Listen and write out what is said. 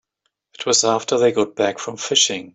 It was after they got back from fishing.